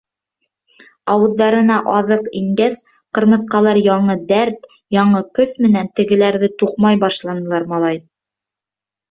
Ауыҙҙарына аҙыҡ ингәс, ҡырмыҫҡалар яңы дәрт, яңы көс менән тегеләрҙе туҡмай башланылар, малай.